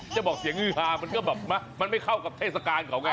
จะบอกเสียงฮามันก็แบบมันไม่เข้ากับเทศภาคของ้าย